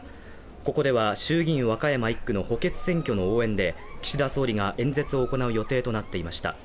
ここでは衆議院和歌山１区の補欠選挙の応援で岸田総理が演説を行う予定となっていました。